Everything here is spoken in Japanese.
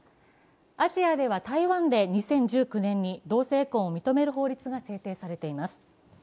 アジアでは台湾で２０１９年に同姓婚を認める法律が制定されています。